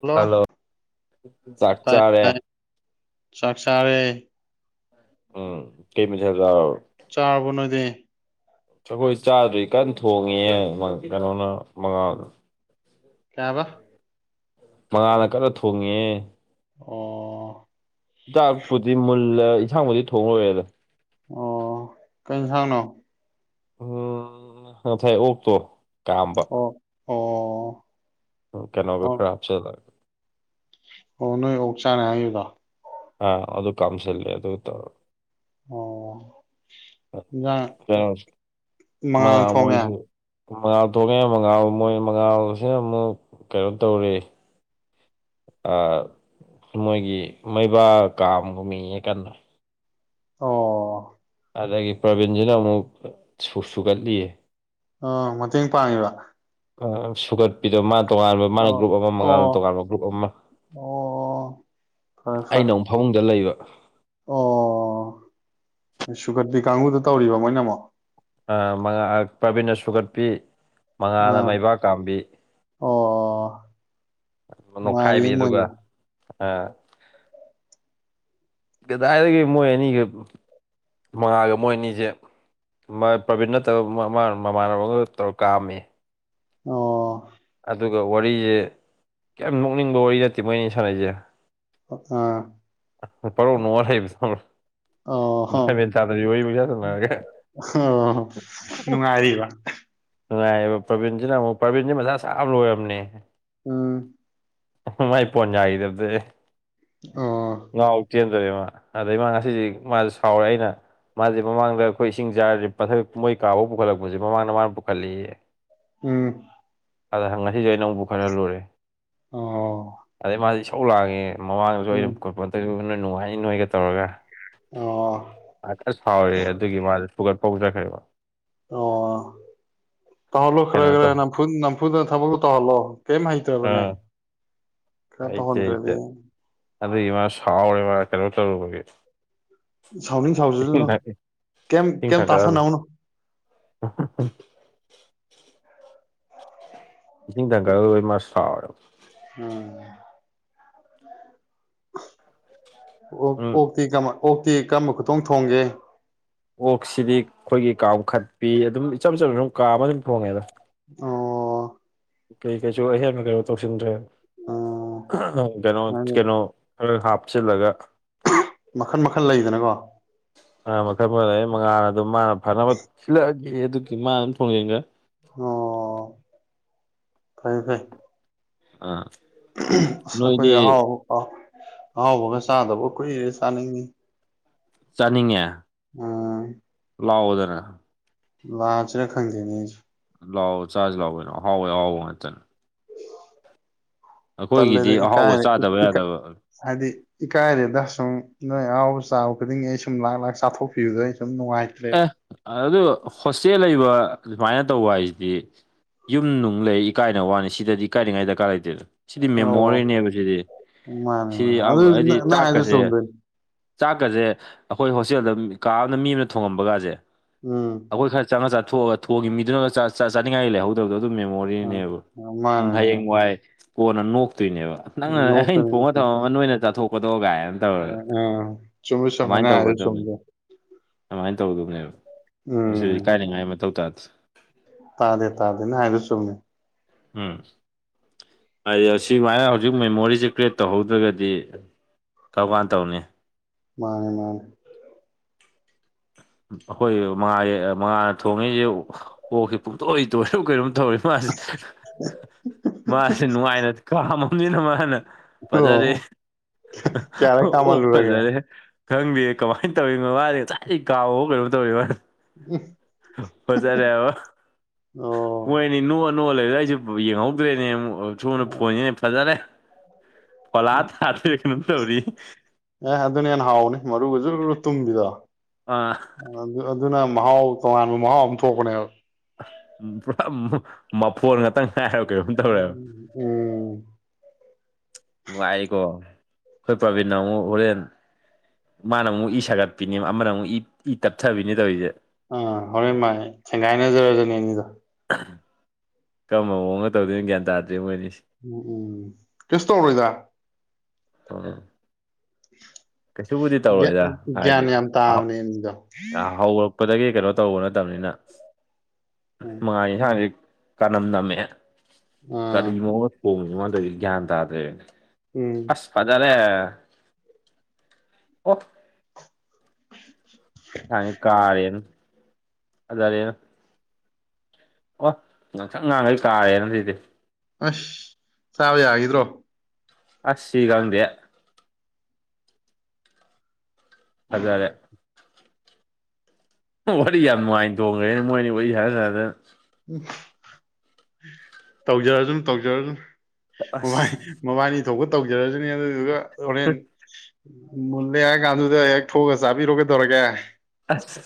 hello ꯆꯥꯛ ꯇ ꯇ ꯆꯥꯔꯦ ꯆꯥꯛꯆꯥꯔꯦ ꯎꯝ ꯀꯩꯃꯤꯖ ꯆꯥꯕ ꯅꯣꯏꯗꯤ ꯑꯩꯈꯣꯏ ꯆꯥꯗꯗꯤ ꯀꯟꯅ ꯊꯣꯡꯉꯦ ꯀꯩꯅꯣꯅ ꯃꯉꯥꯜꯗ ꯀꯩꯍꯥꯏꯕ ꯃꯉꯥꯟꯅ ꯀꯟꯅ ꯊꯣꯡꯉꯦ ꯑꯣ ꯍꯤꯗꯥꯛꯄꯨꯗꯤ ꯃꯨꯜꯂ ꯌꯦꯟꯁꯥꯡꯕꯨꯗꯤ ꯊꯣꯡꯡꯂꯣꯏꯔꯦꯗ ꯑꯣ ꯀꯩꯁꯥꯡꯅꯣ ꯎꯝ ꯉꯁꯥꯏ ꯑꯣꯛꯇꯣ ꯀꯥꯝꯕ ꯑꯣ ꯑꯣ ꯎ ꯀꯩꯅꯣꯒ ꯑꯣ ꯈꯔꯞꯁꯨꯂꯥꯛꯒꯦ ꯑꯣ ꯅꯣꯏ ꯑꯣꯛ ꯆꯥꯅꯦ ꯍꯥꯏꯗꯣ ꯑ ꯑꯗꯨ ꯀꯝꯁꯤ ꯂꯩꯦ ꯑꯗꯨ ꯇ ꯑꯣ ꯏꯟꯖꯥꯡ ꯀꯩꯅꯣ ꯃꯉꯥ ꯃꯉꯥꯜ ꯊꯣꯡꯉꯦ ꯃꯣꯏꯁꯨ ꯃꯉꯥꯜ ꯊꯣꯛꯣꯡꯉꯦ ꯃꯉꯥꯜ ꯃꯣꯏ ꯃꯉꯥꯜꯁꯤꯅ ꯑꯃꯨꯛ ꯀꯩꯅꯣ ꯇꯧꯔ ꯃꯣꯏꯒꯤ ꯃꯩꯕꯥ ꯀꯥꯝꯒꯨꯝ ꯃꯤꯡꯉꯀꯥꯟꯗ ꯑꯣ ꯑꯗꯒꯤ ꯄ꯭ꯔꯕꯤꯟꯁꯤꯅ ꯑꯃꯨꯛ ꯁꯨꯒꯠꯂꯤꯌꯦ ꯑ ꯃꯇꯦꯡ ꯄꯥꯡꯉꯤꯕ ꯁꯨꯒꯠꯄꯤꯗꯕ ꯃꯥ ꯇꯣꯉꯥꯟꯕ ꯃꯥꯅ ꯑꯣ ꯒ꯭ꯔꯨꯞ ꯑꯃ ꯃꯉꯥꯜ ꯑꯣ ꯇꯣꯉꯥꯟꯕ ꯒ꯭ꯔꯨꯞ ꯑꯃ ꯑꯣ ꯍ ꯑꯩꯅ ꯑꯃꯨꯛ ꯐꯃꯨꯡꯗ ꯂꯩꯕ ꯑꯣ ꯁꯨꯒꯗꯤꯤ ꯀꯥꯡꯕꯨꯗ ꯇꯧꯔꯤꯕ ꯃꯣꯏꯅ ꯑꯃꯛ ꯃꯉꯥ ꯄ꯭ꯔꯕꯤꯟꯅ ꯁꯨꯒꯠꯄꯤ ꯃꯉꯥꯅ ꯑꯥ ꯃꯩꯕꯥꯛ ꯀꯥꯝꯕꯤ ꯑꯣ ꯅꯣꯈꯥꯏꯔꯤ ꯅꯨꯡꯉꯥꯏꯔꯤꯌꯦ ꯃꯣꯏꯗꯤ ꯑꯗꯨꯒ ꯑ ꯀꯗꯥꯏꯗꯒꯤ ꯃꯣꯏ ꯑꯅꯤꯒ ꯃꯉꯥꯒ ꯃꯣꯏ ꯑꯅꯤꯁꯦ ꯄ꯭ꯔꯕꯤꯟ ꯅꯠꯇꯕ ꯃꯃꯥꯟꯅꯕ ꯑꯃꯒ ꯇꯧꯔ ꯀꯥꯑꯝꯃꯤ ꯑꯣ ꯑꯗꯨꯒ ꯋꯥꯔꯤꯁꯦ ꯀꯌꯥꯝ ꯅꯣꯛꯅꯤꯡꯕ ꯋꯥꯔꯤ ꯅꯠꯇꯦ ꯃꯣꯏꯅꯤ ꯁꯥꯟꯅꯁꯦ ꯑꯥ ꯄꯔꯣꯛ ꯅꯣꯡꯉ ꯂꯩꯕ ꯑꯣ ꯍꯣ ꯒ꯭ꯌꯥꯃꯦꯟ ꯇꯥꯗꯗꯤ ꯌꯔꯒ ꯑꯣ ꯅꯨꯡꯉꯥꯏꯔꯤꯕ ꯅꯨꯡꯉꯥꯏꯕ ꯄ꯭ꯔꯕꯤꯟꯁꯤꯅ ꯑꯃꯨꯛ ꯄ꯭ꯔꯕꯤꯟꯁꯤ ꯃꯁꯥ ꯁꯥꯥ ꯑꯃ ꯂꯣꯏꯔꯕꯝꯅꯦ ꯎꯝ ꯃꯥꯏ ꯄꯣꯅꯏꯗꯔꯗꯦ ꯑꯣ ꯉꯥꯎ ꯆꯦꯟꯗ꯭ꯔꯦꯃ ꯑꯗꯩ ꯃꯥ ꯉꯁꯤꯁꯤ ꯃꯥꯁꯨ ꯁꯥꯎꯔꯦ ꯑꯩꯅ ꯃꯥꯁꯦ ꯃꯃꯥꯡꯗ ꯑꯩꯈꯣꯏ ꯏꯁꯤꯡ ꯆꯥꯔꯗꯤ ꯄꯊꯛ ꯃꯣꯏ ꯀꯥꯕꯥꯎ ꯄꯨꯈꯠꯂꯛꯄꯁꯦ ꯃꯃꯥꯡꯗ ꯃꯥꯅ ꯄꯨꯈꯠꯂꯛꯑꯦ ꯎꯝ ꯑꯗꯪ ꯉꯁꯤꯁꯨꯦ ꯑꯩꯅꯧꯕ ꯈꯔ ꯂꯨꯔꯦ ꯑꯣ ꯑꯗꯩ ꯃꯥꯁ ꯁꯧ ꯂꯥꯛꯑꯉꯦ ꯃꯃꯥꯡꯗꯁꯨ ꯑꯩꯅ ꯎꯝ ꯈꯣꯠꯄꯗꯁꯨꯅ ꯅꯨꯡꯉꯥꯏꯅꯤ ꯅꯣꯏꯒ ꯇꯧꯔꯒ ꯑꯣ ꯑꯁ ꯐꯥꯎꯔꯦ ꯑꯗꯨꯒꯤ ꯃꯥ ꯄꯨꯒꯠꯄ ꯍꯧꯖꯈ꯭ꯔꯦꯕ ꯑꯣ ꯇꯧꯍꯜꯂꯣ ꯈꯔ ꯀꯩꯅꯣ ꯈꯔꯦ ꯇꯧ ꯅꯝꯨ ꯅꯝꯐꯨꯗ ꯊꯕꯛꯇ ꯇꯧꯍꯜꯂꯣ ꯀꯩꯝ ꯍꯩꯇ꯭ꯔꯕꯅꯦ ꯈꯔ ꯑꯩꯥꯏꯆ ꯇꯧꯍꯟꯗ꯭ꯔꯗꯤ ꯑꯩꯆꯦ ꯑꯗꯨꯗ ꯏꯃ ꯁꯥꯎꯔꯦꯕ ꯀꯩꯅꯣ ꯇꯔꯨꯕꯒꯤ ꯁꯥꯎꯅꯤꯡ ꯁꯥꯎꯁꯤꯗꯅꯣ ꯀꯩꯝ ꯏꯁꯤꯡ ꯀꯩꯝ ꯊꯥꯡꯀꯠꯍꯜꯂꯨ ꯇꯥꯁꯟꯅꯧꯅꯣ [unintelligible] ꯏꯁꯤꯡ ꯊꯪꯒꯔ ꯂꯣꯏ ꯃꯥ ꯁꯥꯎꯋꯦꯕ ꯎꯝ ꯑꯣ ꯎꯝ ꯑꯣꯛꯇꯤ ꯀ ꯑꯣꯛꯇꯤ ꯀꯔꯝꯕ ꯈꯨꯇꯣꯡ ꯊꯣꯡꯒꯦ ꯑꯣꯛꯁꯤꯗꯤ ꯑꯩꯈꯣꯏꯒꯤ ꯀꯥ ꯃꯈꯈꯠꯄꯤ ꯑꯗꯨꯝ ꯏꯆꯝ ꯆꯝꯅ ꯑꯗꯨꯝ ꯀꯥ ꯑꯃ ꯑꯗꯨꯝ ꯊꯣꯡꯉꯦ ꯑꯗꯣ ꯑꯣ ꯀꯩ ꯀꯩꯁꯨ ꯑꯍꯦꯟꯕ ꯀꯩꯅꯣ ꯇꯧꯁꯤꯟꯗ꯭ꯔꯦ ꯑꯣ ꯀꯩꯅꯣ ꯃꯥꯅꯦ ꯀꯩꯅꯣ ꯈꯔ ꯍꯥꯞꯆꯤꯜꯂꯒ ꯃꯈꯟ ꯃꯈꯟ ꯂꯩꯗꯅꯀꯣ ꯑ ꯃꯈꯜ ꯃꯈ ꯑꯩ ꯃꯉꯥꯟꯜ ꯑꯗꯨꯝ ꯃꯥꯅ ꯐꯅꯕ ꯏ ꯑꯦ ꯑꯗꯨ ꯀꯃ ꯑꯗꯨ ꯐꯉꯦꯒ ꯑꯣ ꯐꯩꯦ ꯐꯩ ꯑꯥ ꯑꯁ ꯅꯣꯏꯗꯤ ꯑꯩꯈꯣꯏꯗꯤ ꯑꯍꯥꯎꯕ ꯄꯥꯎ ꯑꯍꯥꯎꯕꯒ ꯆꯥꯗꯕ ꯀꯨꯏꯔꯦ ꯆꯥꯅꯤꯡꯉꯤ ꯆꯥꯅꯤꯡꯉꯦ ꯑꯣ ꯂꯥꯛꯑꯣꯗꯅ ꯂꯥꯛꯁꯤꯔꯥ ꯈꯪꯗꯦꯅꯦ ꯑꯩꯁꯨ ꯂꯥꯛꯑꯣ ꯆꯥꯔꯖ ꯂꯥꯛꯑꯣꯦꯅꯣ ꯑꯍꯥꯎꯋꯦ ꯑꯍꯥꯎꯕ ꯉꯥꯛꯅꯦ ꯇꯜꯂꯦꯗ ꯑꯩꯈꯣꯏꯒꯤꯗꯤ ꯀꯥꯏ ꯑꯍꯥꯎꯕ ꯆꯥꯗꯕ ꯏ ꯌꯥꯗꯕ ꯍꯥꯏꯗꯤ ꯏꯀꯥꯏꯔꯦꯗ ꯁꯨꯝ ꯅꯣꯏ ꯑꯍꯥꯎꯕ ꯆꯥꯕ ꯈꯨꯗꯤꯡꯒꯤ ꯑꯩ ꯁꯨꯝ ꯂꯥꯛ ꯂꯥꯛ ꯆꯥꯊꯣꯛꯄꯤꯕꯗꯣ ꯑꯩ ꯁꯨꯝ ꯅꯨꯡꯉꯥꯏꯇꯦ ꯑꯦ ꯑꯗꯨ ꯍꯣꯁꯇꯦꯜ ꯂꯩꯕ ꯑꯗꯨꯃꯥꯏꯅ ꯇꯧꯕ ꯍꯥꯏꯁꯤꯗꯤ ꯌꯨꯝ ꯅꯨꯡ ꯂꯩ ꯏꯀꯥꯏꯅ ꯋꯥꯅꯤ ꯁꯤꯗꯗꯤ ꯀꯥꯏꯅꯉꯥꯏ ꯗꯔꯀꯥꯔ ꯂꯩꯇꯦꯗ ꯁꯤꯗꯤ ꯑꯣ ꯃꯦꯃꯣꯔꯤꯅꯦꯕ ꯁꯤꯗꯤ ꯃꯥꯅꯦ ꯁꯤꯗꯤ ꯃꯥꯅꯦ ꯑꯗꯨ ꯍꯥꯏꯗꯤ ꯅꯪ ꯍꯥꯏꯗꯣ ꯆꯥꯛꯀꯁꯦ ꯆꯨꯝꯗꯣꯏꯅꯤ ꯆꯥꯛꯀꯁꯦ ꯑꯩꯈꯣꯏ ꯍꯣꯁꯇꯦꯜꯗ ꯀꯥ ꯑꯃꯅ ꯃꯤ ꯑꯃꯅ ꯊꯣꯡꯉꯝꯕꯒꯥꯁꯦ ꯎꯝ ꯑꯩꯈꯣꯏ ꯈꯔ ꯆꯪꯉꯒ ꯆꯥꯣꯛꯑꯒ ꯊꯣꯡꯈꯤꯕ ꯃꯤꯗꯨꯅꯒ ꯆꯥꯅꯤꯡꯉꯥꯏ ꯂꯩ ꯍꯧꯖꯤ ꯑꯗꯨ ꯇꯗꯣ ꯑꯗꯨꯝ ꯃꯥꯅꯦ ꯃꯦꯃꯣꯔꯤꯅꯦꯕ ꯃꯥꯅꯦ ꯍꯌꯦꯡ ꯋꯥꯏ ꯀꯣꯟꯅ ꯅꯣꯛꯇꯣꯏꯅꯦꯕ ꯅꯪꯅ ꯑꯩꯅ ꯅꯣꯛꯀꯅꯨ ꯄꯣꯡꯉ ꯊꯧꯔꯒ ꯅꯣꯏꯅ ꯆꯠꯊꯣꯛꯀꯗꯧꯒꯥꯏ ꯍꯥꯏꯔ ꯑ ꯆꯨꯝꯃꯤ ꯆꯨꯝꯃꯤꯅ ꯍꯥꯏꯔꯦ ꯇꯧꯒꯗꯕꯅꯤ ꯆꯨꯝꯗꯦ ꯑꯗꯨꯃꯥꯏꯅ ꯇꯧꯒꯗꯕꯅꯦꯕ ꯄꯨꯁꯤ ꯎꯝ ꯏꯀꯥꯏꯅꯤꯡꯉꯥꯏ ꯃꯊꯧ ꯇꯥꯗ꯭ꯔꯦ ꯇꯥꯗꯦ ꯇꯥꯗꯦꯅꯦ ꯍꯥꯏꯕ ꯆꯨꯝꯅꯦ ꯑ ꯍꯥꯏ ꯁꯤꯃꯥꯏꯅ ꯍꯧꯖꯤꯛ ꯃꯦꯃꯣꯔꯤꯁꯦ ꯀ꯭ꯔꯤꯌꯦꯠ ꯇꯧꯍꯧꯗ꯭ꯔꯒꯗꯤ ꯇꯧꯀꯥꯟ ꯇꯧꯅꯤ ꯃꯥꯅꯦ ꯃꯥꯅꯦ ꯑꯩꯈꯣꯏ ꯃꯉꯥ ꯃꯉꯥꯅ ꯊꯣꯡꯉꯏꯁꯦ ꯑꯣꯛꯁꯤ ꯄꯨꯡꯇꯣꯏ ꯇꯣꯏꯔ ꯀꯩꯅꯣꯝ ꯇꯧꯔꯤ ꯃꯥꯁꯦ ꯃꯥꯁꯦ ꯅꯨꯡꯉꯥꯏꯅ ꯀꯥꯝꯃꯕꯅꯤꯅ ꯃꯥꯅ ꯐꯖꯔꯦ ꯑꯣ ꯀꯌꯥꯔꯛ ꯑꯣ ꯀꯥꯝꯍꯜꯂꯨꯔꯒꯦ ꯐꯖꯥꯔꯦ ꯈꯪꯗꯦ ꯀꯃꯥꯏꯅ ꯇꯧꯔꯤꯅꯣ ꯃꯥꯗꯤ ꯉꯁꯥꯏ ꯑꯩ ꯀꯥꯎꯕꯣ ꯀꯩꯅꯣꯝ ꯇꯧꯔꯤ ꯃꯥ ꯎ ꯐꯖꯥꯔꯦꯕ ꯑꯣ ꯍꯣꯏꯅꯤ ꯅꯣꯛ ꯑ ꯅꯨꯑ ꯂꯩꯗ ꯑꯩꯁꯨꯦ ꯌꯦꯡꯍꯧꯗ꯭ꯔꯦꯅꯦ ꯁꯨꯝꯅ ꯐꯣꯟꯉꯤꯅꯦ ꯐꯖꯔꯦ ꯀꯣꯂꯥ ꯇꯥꯗ ꯀꯩꯅꯣ ꯇꯧꯔꯤꯌꯦ ꯑꯦ ꯑꯗꯨꯅ ꯍꯟꯅ ꯍꯥꯎꯅꯤ ꯃꯔꯨꯒꯁꯨ ꯇꯨꯝꯕꯤꯗ ꯑꯥ ꯑꯗꯨꯅ ꯃꯍꯥꯎ ꯇꯣꯉꯥꯟꯕ ꯃꯍꯥꯎ ꯑꯃ ꯊꯣꯛꯄꯅꯦꯕ ꯎ ꯄꯨꯔꯥ ꯃꯐꯣꯟ ꯉꯥꯛꯇꯪ ꯉꯥꯏꯕ ꯀꯩꯒꯣꯝ ꯇꯧꯔꯦꯕ ꯎꯝ ꯅꯨꯡꯉꯥꯏꯀꯣ ꯑꯩꯈꯣꯏ ꯄ꯭ꯔꯕꯤꯟꯗ ꯑꯃꯨꯛ ꯍꯣꯔꯦꯟ ꯃꯥꯅ ꯑꯃꯨꯛ ꯏ ꯁꯥꯒꯠꯄꯤꯅꯤ ꯑꯃꯅ ꯑꯃꯨꯛ ꯏ ꯇꯞꯊꯕꯤꯅꯤ ꯇꯧꯔꯤꯁꯦ ꯑꯥ ꯍꯣꯔꯦꯟ ꯃꯥꯅꯦ ꯁꯦꯡꯒꯥꯏꯅꯖꯔꯁꯨꯅꯦ ꯑꯅꯤꯗꯣ [inaudible] ꯀꯔꯝꯕ ꯃꯑꯣꯡ ꯇꯧꯗꯣꯏꯅ ꯒ꯭ꯌꯥꯟ ꯇꯥꯗ꯭ꯔꯤ ꯃꯣꯏꯅꯤꯁꯤ ꯎꯝ ꯎꯝ ꯀꯁꯨ ꯇꯧꯔꯣꯏꯗ ꯎ ꯀꯩꯁꯨꯕꯨꯗꯤ ꯇꯧꯔꯛꯣꯏꯗ ꯍꯥꯏꯗꯤ ꯒ꯭ꯌꯥꯟ ꯌꯥꯝ ꯇꯥꯕꯅꯦ ꯑꯅꯤꯗꯣ ꯍꯧ ꯀꯄꯗꯒꯤ ꯀꯩꯅꯣ ꯇꯧꯕ ꯅꯠꯇꯕꯅꯤꯅ ꯎꯝ ꯃꯉꯥꯏ ꯌꯦꯟꯁꯥꯡꯁꯤ ꯀꯅꯝ ꯅꯝꯃꯦ ꯑꯥ ꯀꯔꯤꯅꯣꯒ ꯊꯣꯡꯉꯤꯉꯣꯟꯗꯗꯤ ꯒ꯭ꯌꯥꯟ ꯇꯥꯗ꯭ꯔꯦꯅꯦ ꯎꯝ ꯑꯅ ꯑꯣꯐ ꯊꯉ ꯀꯥꯔꯦꯅ ꯑꯔꯦꯅ ꯑꯣ ꯉꯥꯡꯁꯪ ꯉꯥꯡꯈꯩ ꯀꯥꯔꯦꯅ ꯁꯤꯗꯤ ꯑꯁ ꯆꯥꯎꯕ ꯌꯥꯒꯗ꯭ꯔꯣ ꯑꯁꯤꯒꯥꯡꯗꯦ ꯑꯗꯨꯔꯦ ꯋꯥꯔꯤ ꯌꯥꯝ ꯅꯨꯡꯉꯥꯏꯅ ꯇꯣꯡꯈ꯭ꯔꯦꯅꯦ ꯃꯣꯏꯅꯤ ꯋꯥꯔꯤ ꯁꯥꯔ ꯁꯥꯗ ꯎ ꯇꯧꯖꯔꯁꯨꯅ ꯇꯧꯖꯔꯁꯨꯅ ꯃꯕꯥꯥꯏ ꯑꯁ ꯃꯕꯥꯅꯤ ꯊꯣꯛꯄ ꯇꯧꯖꯔꯁꯨꯅꯦ ꯑꯗꯨꯗꯨꯒ ꯍꯣꯔꯦꯟ ꯃꯨꯜꯂꯦ ꯍꯥꯏ ꯀꯥꯟꯗꯨꯗ ꯍꯦꯛ ꯊꯣꯛꯑꯒ ꯆꯥꯕꯤꯔꯣꯒ ꯇꯧꯔꯒꯦ ꯑꯁ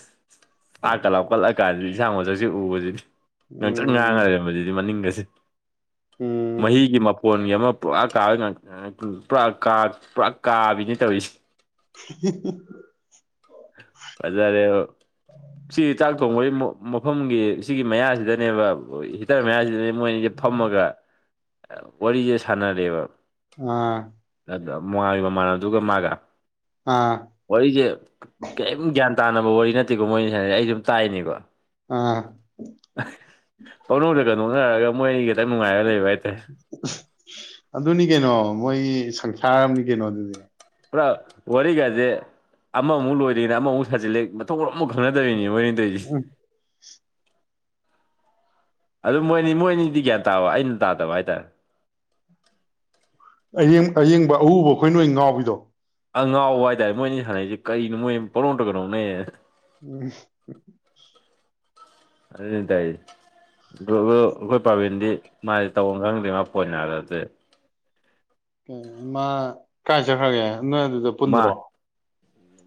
ꯊꯥ ꯀꯠꯂꯥꯎꯞ ꯀꯠꯂꯛꯀꯥꯟꯗ ꯌꯦꯟꯁꯥꯡ ꯃꯁꯛꯁꯤ ꯎꯕꯕꯁꯤꯅꯤ ꯅꯪ ꯎꯝ ꯉꯥꯡꯉꯔꯦ ꯃꯗꯨꯗꯤ ꯃꯅꯤꯡꯒꯁꯤ ꯎꯝ ꯃꯍꯤꯒꯤ ꯃ ꯀꯣꯟꯒꯤ ꯑꯃ ꯄꯨꯔꯥ ꯀꯥꯕ ꯄꯨꯔꯥ ꯄꯨꯔꯥ ꯀꯥꯕꯤꯅꯦ ꯇꯧꯔꯤꯁꯦ [inaudible] ꯐꯖꯔꯦ ꯁꯤ ꯆꯥꯛ ꯊꯣꯡꯕꯒꯤ ꯃꯐꯝꯒꯤ ꯁꯤꯒꯤ ꯃꯌꯥꯁꯤꯗꯅꯦꯕ ꯍꯤꯇꯔ ꯃꯌꯥꯁꯤꯗꯅꯦ ꯣꯏꯅꯤꯁꯦ ꯐꯝꯃꯒ ꯋꯥꯔꯤꯁꯦ ꯁꯥꯟꯅꯔꯦꯕ ꯑꯥ ꯑꯗꯨ ꯃꯣꯉꯥꯜꯒꯤ ꯃꯃꯥꯟ ꯑꯗꯨꯒ ꯃꯥꯒ ꯑꯥ ꯋꯥꯔꯤꯁꯦ ꯀꯔꯤꯝ ꯒ꯭ꯌꯥꯟ ꯇꯥꯅꯕ ꯋꯥꯔꯤ ꯅꯠꯇꯦꯀꯣ ꯃꯣꯏꯅꯤ ꯁꯥꯟꯅꯩꯖꯦ ꯑꯩꯅꯁꯨꯝ ꯇꯥꯢꯅꯦꯀꯣ ꯑꯥ ꯄꯪꯅꯣꯛꯇꯒ ꯅꯣꯛꯅꯔꯒ ꯃꯣꯏ ꯑꯅꯤ ꯈꯤꯇꯪ ꯅꯨꯡꯉꯥꯏꯔ ꯂꯩꯕ ꯍꯥꯏꯇꯥꯔꯦ ꯑꯗꯨꯅꯤ ꯀꯩꯅꯣ ꯃꯣꯏ ꯁꯪꯁꯥꯔ ꯑꯃꯅꯤ ꯀꯩꯅꯣ ꯑꯗꯨꯗꯤ ꯄꯨꯔꯥ ꯋꯥꯔꯤꯒꯥꯖꯦ ꯑꯃꯃꯨꯛ ꯂꯣꯏꯗ꯭ꯔꯤꯉꯩꯗ ꯑꯃꯃꯨꯛ ꯁꯥꯖꯤꯜꯂꯦ ꯃꯊꯣꯡ ꯃꯔꯝ ꯑꯃꯨꯛ ꯈꯪꯅꯗꯕꯤꯅꯤ ꯃꯣꯏꯅꯤ ꯇꯧꯔꯤꯖꯦ ꯎꯝ ꯑꯗꯨ ꯃꯣꯏꯅꯤ ꯃꯣꯏꯅꯤꯗꯤ ꯒ꯭ꯌꯥꯟ ꯇꯥꯕ ꯑꯩꯅ ꯇꯥꯗꯕ ꯍꯥꯏꯇꯥꯔꯦ ꯑꯡ ꯑꯌꯦꯡꯕ ꯑꯎꯕ ꯑꯩꯈꯣꯏꯅ ꯑꯣꯏꯅ ꯉꯥꯎꯕꯤꯗꯣ ꯑꯉꯥꯎꯕ ꯍꯥꯏꯇꯥꯔꯦ ꯃꯣꯏꯅꯤ ꯁꯥꯟꯅꯔꯤꯁꯦ ꯀꯔꯤꯅꯣ ꯃꯣꯏ ꯄꯪꯅꯣꯛꯇꯒ ꯅꯣꯛꯅꯩ ꯎꯝ ꯑꯗꯨ ꯇꯥꯏꯗꯤ ꯨꯞ ꯑꯩꯈꯣꯏ ꯄꯥꯕꯤꯟꯗꯤ ꯃꯥꯗꯤ ꯇꯧ ꯈꯪꯗ꯭ꯦ ꯃꯥ ꯄꯣꯏꯅꯥꯗ ꯑꯗꯨꯗꯤ ꯏ ꯃꯥ ꯀꯥꯏ ꯆꯈ꯭ꯔꯒꯦ ꯅꯣꯏ ꯑꯗꯨꯗ ꯃꯥ ꯄꯨꯟꯗ꯭ꯔꯣ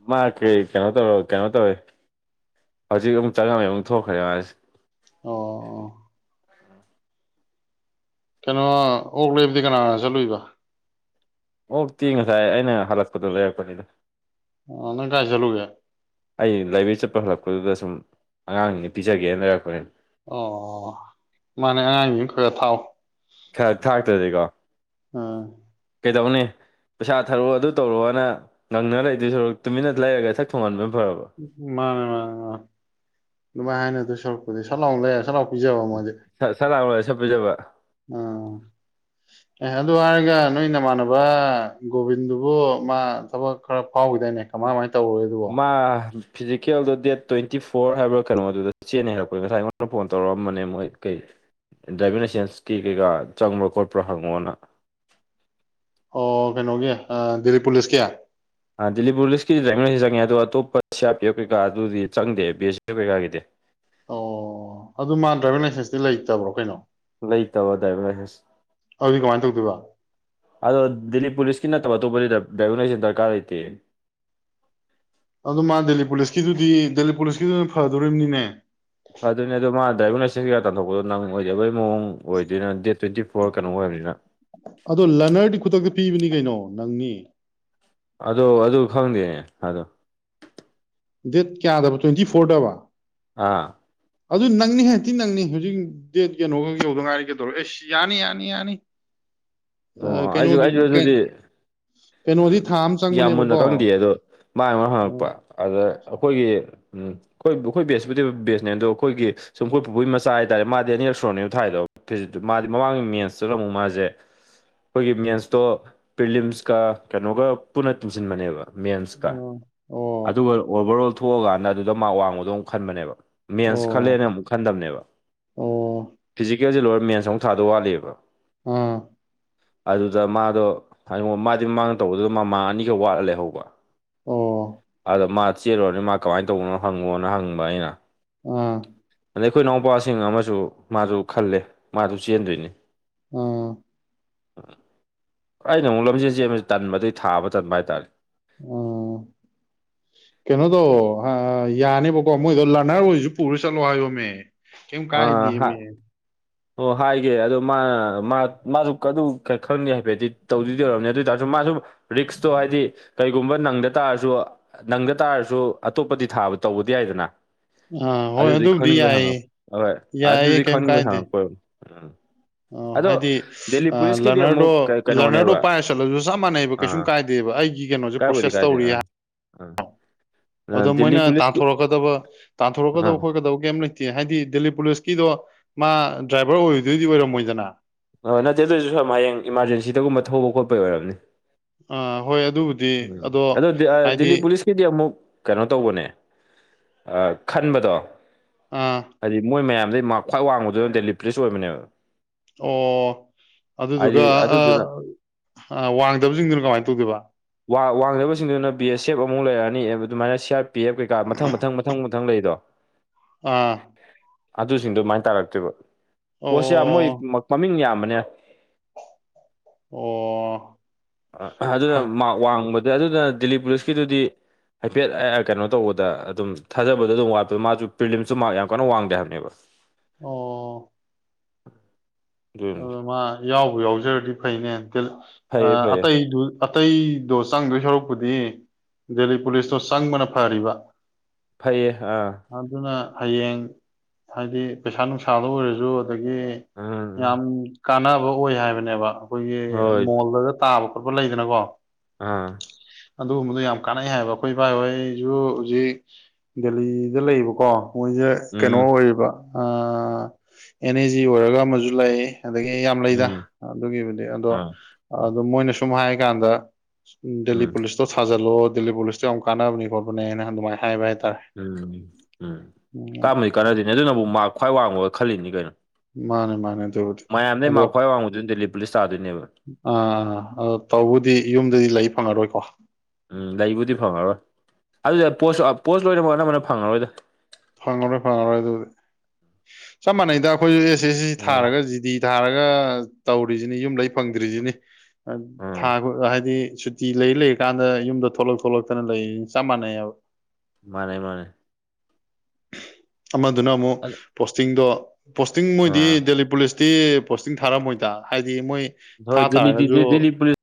ꯃꯥ ꯀꯩ ꯀꯩꯅꯣ ꯇꯧꯔꯣ ꯀꯩꯅꯣ ꯇꯧꯋꯦ ꯍꯧꯖꯤꯛ ꯑꯃꯛ ꯆꯉꯝꯃꯩ ꯑꯃꯨꯛ ꯊꯣꯛꯈ꯭ꯔꯦ ꯌꯥꯔꯁꯤ ꯑꯣ ꯀꯩꯅꯣ ꯑꯣꯛꯂꯦꯕꯗꯤ ꯀꯅꯥ ꯆꯠꯂꯨꯏꯕ ꯑꯣꯛꯇꯤ ꯉꯁꯥꯏ ꯑꯩꯅ ꯍꯜꯂꯛꯄꯗꯨ ꯂꯩꯔꯛꯄꯅꯤꯗ ꯑ ꯅꯪ ꯀꯥꯏ ꯆꯂꯨꯒꯦ ꯑꯩ ꯂꯥꯏꯕ꯭ꯔꯦꯔꯤ ꯆꯠꯄ ꯍꯜꯂꯛꯄꯗꯨꯗ ꯁꯨꯝ ꯑꯉꯥꯡꯁꯤꯡꯖꯦ ꯄꯤꯖꯒꯦꯅ ꯂꯩꯔꯛꯄꯅꯤ ꯑꯣ ꯃꯥꯅꯦ ꯑꯉꯥꯡꯖꯤꯡꯖꯨ ꯈꯒ ꯊꯥꯎ ꯈꯛ ꯊꯥꯛꯇ꯭ꯔꯗꯤꯀꯣ ꯑꯣ ꯀꯩꯗꯧꯅꯦ ꯄꯩꯁꯥ ꯊꯔꯛꯑꯣ ꯑꯗꯨ ꯇꯧꯔꯣꯑꯣꯅ ꯉꯪꯅꯔ ꯂꯩꯗꯣꯏ ꯁꯔꯨꯛ ꯇꯨꯃꯤꯟꯅ ꯂꯩꯔꯒ ꯁꯠ ꯊꯣꯡꯍꯟꯕꯅ ꯐꯔꯕ ꯎ ꯃꯥꯟꯅꯦ ꯃꯥꯟꯅꯦ ꯃꯥꯟꯅꯦ ꯑꯗꯨꯃꯥꯏ ꯍꯥꯏꯅꯗꯣꯏ ꯁꯔꯨꯛꯄꯨꯗꯤ ꯁꯠ ꯂꯥꯎꯅ ꯂꯩꯔ ꯁꯠ ꯂꯥꯎ ꯄꯤꯖꯕ ꯃꯣꯏꯗꯤ ꯁ ꯂꯥꯡ ꯂꯒ ꯁꯠ ꯄꯤꯖꯕ ꯑꯣ [inaudible] ꯑꯦ ꯑꯗꯨ ꯍꯥꯏꯔꯒ ꯅꯣꯏ ꯅꯃꯥꯟꯅꯕ ꯒꯣꯕꯤꯟꯗꯨꯕꯨ ꯃꯥ ꯊꯕꯛ ꯈꯔ ꯐꯥꯎꯈꯤꯗꯣꯏꯅꯦ ꯀꯃꯥꯏ ꯃꯥꯟꯅꯦ ꯇꯧꯒ꯭ꯔꯒꯦ ꯃꯥ ꯃꯥ ꯐꯤꯖꯤꯀꯦꯜꯗ ꯗꯦꯠ ꯇ꯭ꯋꯦꯟꯇꯤ ꯐꯣꯔ ꯍꯥꯏꯕ꯭ꯔꯥ ꯀꯩꯅꯣꯗꯨꯗ ꯆꯦꯟꯅ ꯍꯥꯢꯔꯛꯄꯅꯦ ꯉꯁꯥꯏ ꯑꯩꯉꯣꯟꯗ ꯐꯣꯟ ꯇꯧꯔꯛꯑꯝꯕꯅꯦ ꯃꯣꯏ ꯀꯩ ꯗ꯭ꯔꯥꯏꯕꯤꯡ ꯂꯥꯏꯁꯦꯟꯁꯀꯤ ꯀꯩꯀꯥ ꯆꯪꯕ꯭ꯔꯣ ꯈꯣꯠꯄ꯭ꯔꯣ ꯍꯪꯉꯣꯅ ꯑꯣ ꯀꯩꯅꯣꯒꯤ ꯗꯦꯜꯂꯤ ꯄꯨꯂꯤꯁꯀꯤ ꯗꯤꯂꯤ ꯄꯨꯂꯤꯁꯀꯤ ꯗ꯭ꯔꯥꯏꯕꯤꯡ ꯂꯥꯢꯟꯁ ꯆꯪꯉꯦ ꯑꯗꯧ ꯑꯇꯣꯞꯄ ꯁꯤ ꯑꯔ ꯄꯤ ꯑꯦꯐ ꯀꯩꯀꯥ ꯑꯗꯨꯗꯤ ꯆꯪꯗꯦ ꯕꯤ ꯑꯦꯁ ꯁꯤ ꯑꯦꯐ ꯀꯩꯀꯥꯒꯤꯗꯤ ꯑꯣ ꯑꯗꯨ ꯃꯥ ꯗ꯭ꯔꯥꯏꯚꯤꯡ ꯂꯥꯏꯁꯦꯟꯁꯇꯤ ꯂꯩꯇꯕ꯭ꯔꯣ ꯀꯩꯅꯣ ꯂꯩꯇꯕ ꯗ꯭ꯔꯥꯏꯚꯤꯡ ꯂꯥꯏꯁꯦꯟꯁ ꯑꯗꯨꯗꯤ ꯀꯃꯥꯏꯅ ꯇꯧꯗꯣꯏꯕ ꯑꯗꯣ ꯗꯦꯜꯂꯤ ꯄꯨꯂꯤꯁꯀꯤ ꯅꯠꯇꯕ ꯑꯇꯣꯞꯄꯒꯤꯗꯤ ꯗ꯭ꯔꯥꯏꯚꯤꯡ ꯂꯥꯏꯁꯦꯟꯁ ꯗꯔꯀꯥꯔ ꯂꯩꯇꯦ ꯑꯗꯣ ꯃꯥ ꯗꯦꯜꯂꯤ ꯄꯨꯂꯤꯁꯀꯤꯗꯨꯗꯤ ꯗꯦꯜꯂꯤ ꯄꯨꯂꯤꯁꯀꯤꯗꯨꯅ ꯐꯗꯣꯔꯤꯕꯅꯤꯅꯦ ꯐꯗꯨꯢꯅꯦ ꯑꯗꯣ ꯃꯥ ꯗ꯭ꯔꯥꯏꯚꯤꯡ ꯂꯥꯏꯁꯦꯟꯁ ꯀꯩꯀꯥ ꯇꯥꯟꯊꯣꯛꯄꯗꯣ ꯅꯪ ꯑꯣꯏꯗꯕꯒꯤ ꯃꯑꯣꯡ ꯑꯣꯏꯗꯣꯏꯅ ꯗꯦꯠ ꯇ꯭ꯋꯦꯟꯇꯤ ꯐꯣꯔ ꯀꯩꯅꯣ ꯑꯣꯏꯔꯕꯅꯤꯅ ꯑꯗꯣ ꯂꯅꯔꯗꯤ ꯈꯨꯗꯛꯇ ꯄꯤꯕꯅꯤ ꯀꯩꯅꯣ ꯅꯪꯅꯤ ꯑꯗꯣ ꯑꯗꯨ ꯈꯪꯗꯦ ꯑꯗꯣ ꯗꯦꯠ ꯀꯌꯥꯗꯕ ꯇ꯭ꯋꯦꯟꯇꯤ ꯐꯣꯔꯗꯕ ꯑꯥ ꯑꯗꯨ ꯅꯪꯅꯤꯍꯦ ꯊꯤ ꯅꯪꯅꯤ ꯍꯧꯖꯤꯛ ꯗꯦꯠ ꯀꯅꯣꯈꯛ ꯌꯧꯗ ꯉꯥꯏꯔꯤ ꯀꯩꯗꯧꯔꯒꯦ ꯑꯦꯁ ꯌꯥꯅꯤ ꯌꯥꯅꯤ ꯌꯥꯅꯤ ꯑꯣ ꯑꯩꯁꯨ ꯀꯩꯅꯣꯗꯤ ꯑꯩꯁꯨ ꯑꯗꯨꯗꯤ ꯀꯩꯅꯣꯗꯤ ꯎꯝ ꯊꯥ ꯑꯃ ꯌꯥꯝ ꯃꯨꯟꯅ ꯆꯪꯕꯅꯦꯕꯀꯣ ꯈꯪꯗꯦ ꯑꯗꯣ ꯃꯥ ꯑꯩꯉꯣꯟ ꯑꯣ ꯍꯪꯉꯛꯄ ꯑꯗ ꯑꯩꯈꯣꯏꯒꯤ ꯑꯩꯈꯣꯏ ꯑꯩꯈꯣꯏ ꯕꯦꯁꯄꯨꯗꯤ ꯕꯦꯁꯅꯦ ꯑꯗꯣ ꯑꯩꯈꯣꯏꯒꯤ ꯁꯨꯝ ꯑꯩꯈꯣꯏ ꯄꯨꯄꯨꯒꯤ ꯃꯆꯥ ꯍꯥꯏꯇꯥꯔꯦ ꯃꯥꯗꯤ ꯑꯅꯤꯔꯛ ꯁꯨꯔꯕꯅꯦ ꯊꯥꯏꯗꯣ ꯐꯤꯖꯤꯠꯇꯨ ꯃꯥꯗꯤ ꯃꯃꯥꯡꯒꯤ ꯃꯦꯟꯁꯇꯨꯅ ꯑꯃꯨꯛ ꯃꯥꯖꯦ ꯑꯩꯈꯣꯏꯒꯤ ꯃꯦꯟꯁꯇꯣ ꯄ꯭ꯔꯤꯂꯤꯝꯁꯀ ꯀꯩꯅꯣꯒ ꯄꯨꯟꯅ ꯇꯤꯟꯁꯤꯟꯕꯅꯦꯕ ꯃꯦꯟꯁꯀ ꯑꯣ ꯑꯗꯨꯒ ꯑꯣꯚꯔ ꯑꯣꯜ ꯊꯣꯛꯑꯀꯥꯟꯗ ꯑꯗꯨꯗ ꯃꯥꯔ ꯋꯥꯡꯕꯗꯣ ꯑꯃꯨꯛ ꯈꯟꯕꯅꯦꯕ ꯃꯦꯟꯁ ꯑꯣ ꯈꯜꯂꯦꯅ ꯑꯃꯨꯛ ꯈꯟꯗꯝꯕꯅꯦꯕ ꯑꯣ ꯑꯣ ꯐꯤꯖꯤꯀꯦꯜꯁꯦ ꯂꯣꯏꯔ ꯃꯦꯟꯁ ꯑꯃꯨꯛ ꯊꯥꯗꯧ ꯋꯥꯠꯂꯤꯕ ꯑꯥ ꯑꯗꯨꯗ ꯃꯥꯗꯣ ꯍꯥꯏꯉ ꯃꯥꯗꯤ ꯃꯃꯥꯡꯗ ꯇꯧꯕꯗꯨꯗ ꯃꯥꯃꯥꯡ ꯑꯅꯤꯈꯛ ꯋꯥꯠꯂ ꯂꯩꯍꯧꯕ ꯑꯣ ꯑꯗꯣ ꯃꯥ ꯆꯦꯜꯂꯨꯔꯅꯦ ꯃꯥ ꯀꯃꯥꯏꯅ ꯇꯧꯕꯅꯣ ꯍꯪꯉꯣꯅ ꯍꯪꯕ ꯑꯩꯅ ꯑꯥ ꯑꯗ ꯑꯩꯈꯣꯏ ꯏꯅꯥꯎꯄ꯭ꯋꯥꯁꯤꯡ ꯑꯃꯁꯨ ꯃꯥꯗꯨ ꯈꯜꯂꯦ ꯃꯥꯖꯨ ꯆꯦꯟꯗꯣꯏꯅꯤ ꯑꯣ ꯑꯩꯅ ꯑꯃꯨꯛ ꯂꯝꯖꯦꯟ ꯆꯦꯟꯕꯁꯦ ꯇꯟꯕ ꯍꯥꯏꯇꯔꯦ ꯑꯗꯨꯒꯤ ꯊꯥꯕ ꯇꯟꯕ ꯍꯥꯏꯇꯥꯔꯦ ꯑꯥ [unintelligible] ꯀꯩꯅꯣ ꯇꯧꯋꯣ ꯑꯥ ꯌꯥꯅꯦꯕꯀꯣ ꯃꯣꯏꯗꯣ ꯂꯔꯅꯔ ꯑꯣꯏꯁꯨ ꯄꯨꯔ ꯆꯠꯂꯣ ꯍꯥꯏꯌꯣꯃꯦ ꯀꯩꯝ ꯑ ꯀꯥꯏꯗꯤꯃꯦ ꯑꯣ ꯍꯥꯏꯒꯦ ꯑꯗꯣ ꯃꯥ ꯃꯥ ꯃꯥꯁꯨ ꯑꯗꯨ ꯈꯪꯅꯤ ꯍꯥꯏꯐꯦꯠꯇꯗꯤ ꯇꯧꯗꯣꯏꯗꯤ ꯑꯣꯢꯔꯝꯅꯤ ꯑꯗꯨ ꯑꯣꯏ ꯇꯥꯔꯁꯨ ꯃꯥꯁꯨ ꯔꯤꯛꯁꯇꯣ ꯍꯥꯏꯗꯤ ꯀꯩꯒꯨꯝꯕ ꯅꯪꯗ ꯇꯥꯔꯁꯨ ꯅꯪꯗ ꯇꯥꯔꯁꯨ ꯑꯇꯣꯞꯄꯗꯤ ꯊꯥꯕ ꯇꯧꯕꯗꯤ ꯌꯥꯏꯗꯅ ꯑꯥ ꯍꯣꯏ ꯑꯗꯨꯗꯤ ꯑꯗꯨꯕꯨꯗꯤ ꯈꯪꯅꯤꯡꯕꯩ ꯍꯪꯉꯛ ꯌꯥꯏꯌꯦ ꯍꯣꯏ ꯌꯥꯏꯌꯦ ꯑꯗꯨꯗꯤ ꯈꯪꯅꯤꯡꯕ ꯍꯪꯉꯛꯄ ꯎꯝ ꯑꯣ ꯑꯗꯣ ꯍꯥꯏꯗꯤ ꯗꯦꯜꯂꯤ ꯄꯨꯂꯤꯁꯀꯤꯗꯤ ꯑꯃꯨꯛ ꯂꯔꯅꯔꯗꯣ ꯀꯩ ꯀꯩꯅꯣꯅꯦꯕ ꯂꯔꯅꯔꯗꯣ ꯄꯥꯏꯔ ꯆꯠꯂꯁꯨ ꯆꯞ ꯃꯥꯟꯅꯩꯑꯕꯣ ꯀꯩꯁꯨꯝ ꯑꯥ ꯀꯥꯏꯗꯦꯕ ꯑꯩꯒꯤ ꯀꯩꯅꯣꯁꯦ ꯀꯥꯏꯕꯨꯗꯤ ꯄ꯭ꯔꯣꯁꯦꯁ ꯀꯥꯏꯗꯦ ꯇꯧꯔꯤ ꯍꯥꯏ [inaudible] ꯑꯗꯣ ꯃꯣꯏꯅ ꯄꯨꯂꯤꯁꯀꯤ ꯇꯥꯟꯊꯣꯔꯛꯀꯗꯕ ꯑꯥ ꯇꯥꯟꯊꯣꯔꯛꯀꯗꯕ ꯈꯣꯠꯀꯗꯕ ꯀꯩꯝ ꯂꯩꯇ ꯇꯦ ꯍꯥꯏꯗꯤ ꯗꯦꯜꯂꯤ ꯄꯨꯂꯤꯁꯀꯤꯗꯣ ꯃꯥ ꯗ꯭ꯔꯥꯏꯚꯔ ꯑꯣꯏꯔꯗꯣꯏꯗꯤ ꯑꯣꯏꯔꯝꯃꯣꯏꯗꯅ ꯍꯣꯏ ꯅꯠꯇꯦ ꯑꯗꯨꯑꯣꯏꯁꯨ ꯁꯔ ꯍꯌꯦꯡ ꯏꯃꯥꯔꯖꯦꯟꯁꯤꯗꯒꯨꯝꯕ ꯊꯧꯕ ꯈꯣꯠꯄꯩ ꯑꯣꯏꯔꯕꯅꯤ ꯑꯥ ꯍꯣꯏ ꯑꯗꯨꯕꯨꯗꯤ ꯎꯝ ꯑꯗꯣ ꯍꯥꯏꯗꯤ ꯗꯤꯜꯂꯤ ꯄꯨꯂꯤꯁ ꯁꯤꯗꯤ ꯑꯃꯨꯛ ꯀꯩꯅꯣ ꯇꯧꯕꯅꯦ ꯈꯟꯕꯗꯣ ꯑꯥ ꯍꯥꯏꯗꯤ ꯃꯣꯏ ꯃꯌꯥꯝꯗꯩ ꯃꯥ ꯈ꯭ꯋꯥꯏ ꯋꯥꯡꯕꯗꯨꯅ ꯗꯦꯂꯤ ꯄꯨꯂꯤꯁ ꯑꯣꯏꯕꯅꯦꯕ ꯑꯣ ꯍꯥꯏꯗꯤ ꯑꯗꯨꯗꯨꯒ ꯑꯗꯨꯗꯨꯅ ꯋꯥꯡꯗꯕꯁꯤꯡꯗꯨꯅ ꯀꯃꯥꯏꯅ ꯇꯧꯒꯦꯕ ꯋꯥꯡꯗꯕꯁꯤꯡꯗꯨꯅ ꯕꯤ ꯑꯦꯁ ꯑꯦꯐ ꯑꯃꯨꯛ ꯂꯩꯔꯛꯑꯅꯤ ꯑꯗꯨꯃꯥꯏꯅ ꯁꯤ ꯑꯥꯔ ꯄꯤ ꯑꯦꯐ ꯀꯩꯀꯥ ꯃꯊꯪ ꯃꯊꯪ ꯃꯊꯪꯊ ꯈꯤꯇꯪ ꯂꯩꯗꯣ ꯑ ꯑꯗꯨꯁꯤꯡ ꯑꯗꯨꯃꯥꯏꯅ ꯇꯥꯔꯛꯇꯣꯏꯦꯕ ꯄꯣꯠꯁ ꯌꯥꯝ ꯃꯣꯏ ꯑꯣ ꯃꯃꯤꯡ ꯌꯥꯝꯕꯅꯦ ꯑꯣ ꯑꯗꯨꯅ ꯐ- ꯃꯔ ꯋꯥꯡꯕꯗ ꯑꯗꯨꯅ ꯗꯤꯜꯂꯤ ꯄꯨꯂꯤꯁꯀꯤꯗꯨꯗꯤ ꯍꯥꯏꯐꯦꯠ ꯀꯩꯅꯣ ꯇꯧꯕꯗ ꯑꯗꯨꯝ ꯊꯥꯖꯕꯗꯣ ꯑꯗꯨꯝ ꯋꯥꯠꯄꯣ ꯃꯥꯁꯨ ꯄ꯭ꯔꯤꯂꯤꯝꯁꯨ ꯃꯥ ꯌꯥꯝ ꯀꯟꯅ ꯋꯥꯡꯗꯦ ꯍꯥꯏꯕꯅꯦꯕ [unintelligible] ꯑꯣ [unintelligible] ꯑꯗꯨ ꯃꯥ ꯌꯥꯎꯕ ꯌꯥꯎꯖꯔꯗꯤ ꯐꯩꯅꯦ ꯐꯩꯌꯦ ꯐꯩꯌꯦ ꯑꯇꯩꯗꯨ ꯑꯇꯩꯗꯣ ꯆꯪꯗꯣꯏ ꯁꯔꯛꯄꯨꯗꯤ ꯗꯦꯜꯂꯤ ꯄꯨꯂꯤꯁꯇꯣ ꯆꯪꯕꯅ ꯐꯔꯤꯕ ꯐꯩꯌꯦ ꯑꯥ ꯑꯗꯨꯅ ꯍꯌꯦꯡ ꯍꯥꯏꯗꯤ ꯄꯩꯁꯥ ꯅꯨꯡꯁꯥꯗ ꯑꯣꯏꯔꯁꯨ ꯑꯗꯒꯤ ꯎꯝ ꯎꯝ ꯌꯥꯝ ꯀꯥꯟꯅꯕ ꯑꯣꯏ ꯍꯥꯏꯕꯅꯦꯕ ꯑꯩꯈꯣꯏꯒꯤ ꯍꯣꯏ ꯃꯣꯜꯗꯒ ꯇꯥꯕ ꯈꯣꯠꯄ ꯂꯩꯗꯅꯀꯣ ꯑꯥ ꯑꯗꯨꯒꯨꯝꯕꯗꯣ ꯌꯥꯝ ꯀꯥꯟꯅꯩ ꯍꯥꯏꯕ ꯑꯩꯈꯣꯏ ꯏꯕꯥ ꯏ ꯍꯣꯏꯁꯨ ꯍꯧꯖꯤꯛ ꯗꯦꯂꯤꯗ ꯂꯩꯌꯦꯕꯀꯣ ꯃꯣꯏꯁꯦ ꯀꯩꯅꯣ ꯎꯝ ꯑꯣꯏꯔꯤꯕ ꯑꯦꯟ ꯑꯦꯖꯤ ꯑꯣꯏꯔꯒ ꯑꯃꯁꯨ ꯂꯩꯌꯦ ꯑꯗꯒꯤ ꯌꯥꯝ ꯂꯩꯗ ꯎꯝ ꯑꯗꯨꯒꯤꯕꯨꯗꯤ ꯑꯗꯣ ꯑꯥ ꯑꯗꯨ ꯃꯣꯏꯅ ꯁꯨꯝ ꯍꯥꯏꯀꯥꯟꯗ ꯗꯦꯜꯂꯤ ꯎꯝ ꯄꯨꯂꯤꯁꯇꯣ ꯁꯥꯖꯜꯂꯣ ꯗꯦꯜꯂꯤ ꯄꯨꯂꯤꯁꯇꯣ ꯌꯥꯝ ꯀꯥꯟꯅꯕꯅꯤ ꯈꯣꯠꯄꯅꯦꯅ ꯑꯗꯨꯃꯥꯏꯅ ꯍꯥꯏꯕ ꯍꯥꯏꯇꯥꯔꯦ ꯎꯝ ꯎꯝ ꯎꯝ ꯀꯥꯝꯕꯗꯤ ꯀꯥꯟꯅꯗꯣꯏꯅꯤ ꯑꯗꯨꯅꯕꯨ ꯃꯥꯔꯛ ꯈ꯭ꯋꯥꯏ ꯋꯥꯡꯉꯒ ꯈꯜꯂꯤꯅꯤ ꯀꯩꯅꯣ ꯃꯥꯅꯦ ꯃꯥꯅꯗꯕ ꯃꯌꯥꯝꯗꯩ ꯃꯥꯛ ꯈ꯭ꯋꯥꯏ ꯋꯥꯡꯕꯗꯨꯅ‌ꯦ ꯗꯦꯜꯂꯤ ꯄꯨꯂꯤꯁ ꯆꯥꯗꯣꯏꯅꯦꯕ ꯑꯥ ꯑ ꯑ ꯇꯧꯕꯨꯗꯤ ꯌꯨꯝꯗꯗꯤ ꯂꯩ ꯐꯪꯉꯔꯣꯏꯀꯣ ꯎꯝ ꯂꯩꯕꯨꯗꯤ ꯐꯪꯉꯔꯣꯏ ꯑꯗꯨꯗꯤ ꯄꯣꯁ ꯄꯣꯁ ꯂꯣꯏꯅꯃꯛ ꯑꯅꯝꯕꯅ ꯐꯪꯉꯔꯣꯏꯗ ꯐꯪꯉꯔꯣꯏ ꯐꯪꯉꯔꯣꯏ ꯑꯗꯨꯗꯤ ꯆꯞ ꯃꯥꯟꯅꯩꯗ ꯑꯩꯈꯣꯏꯁꯨ ꯑꯦꯁ ꯑꯦꯁ ꯁꯤ ꯎꯝ ꯊꯥꯔꯒ ꯖꯤꯗꯤ ꯊꯥꯔꯒ ꯇꯧꯔꯤꯁꯤꯅꯤ ꯌꯨꯝ ꯂꯩ ꯐꯪꯗ꯭ꯔꯤꯁꯤꯅꯤ ꯊꯥ ꯎꯝ ꯍꯥꯏꯗꯤ ꯐꯤ ꯂꯩ ꯂꯩꯔꯤ ꯀꯥꯟꯗ ꯌꯨꯝꯗ ꯊꯣꯛꯂꯛ ꯊꯣꯛꯂꯛꯇꯅ ꯂꯩꯔꯤ ꯆꯞ ꯃꯥꯟꯅꯩꯑꯕ ꯃꯥꯅꯦ ꯃꯥꯅꯦ ꯑꯃꯗꯨꯅ ꯑꯃꯨꯛ ꯑ ꯄꯣꯁꯇꯤꯡꯗꯣ ꯄꯣꯁꯇꯤꯡ ꯃꯣꯏꯗꯤ ꯑꯥ ꯗꯦꯜꯂꯤ ꯄꯨꯂꯤꯁ ꯄꯣꯁꯇꯤꯡ ꯊꯥꯔꯝꯃꯣꯏꯗ ꯍꯥꯏꯗꯤ ꯃꯣꯏ ꯊꯥ ꯍꯣꯏ ꯗꯦꯜꯂꯤꯗꯤ ꯇꯥꯔꯒꯁꯨ ꯗꯦꯜꯂꯤ ꯄꯨꯂꯤꯁ